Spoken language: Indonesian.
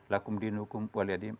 lakum dinukum waliyadin